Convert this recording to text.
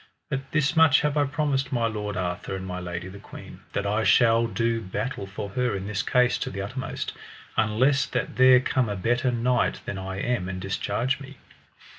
But this much have I promised my lord Arthur and my lady the queen, that I shall do battle for her in this case to the uttermost, unless that there come a better knight than I am and discharge me.